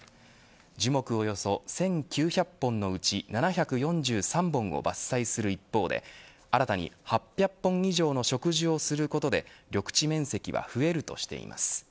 樹木、およそ１９００本のうち７４３本を伐採する一方で新たに８００本以上の植樹をすることで緑地面積は増えるとしています。